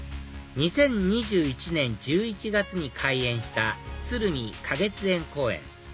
２０２１年１１月に開園した鶴見花月園公園